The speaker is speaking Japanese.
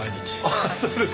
ああそうですか。